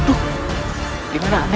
tuhan atau risk hal we